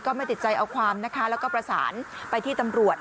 ไม่ติดใจเอาความนะคะแล้วก็ประสานไปที่ตำรวจ